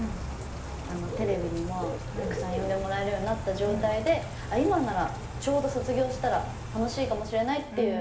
テレビにもたくさん呼んでもらえるようになった状態で今ならちょうど卒業したら楽しいかもしれないっていう。